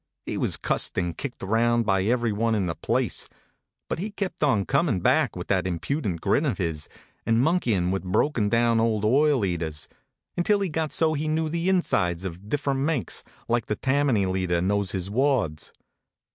He was cussed and kicked around by everyone in the place; but he kept on comin back with that impudent grin of his, and monkeyin with broken down old oil eaters, until he got so he knew the insides of diff rent makes like a Tammany leader knows his wards.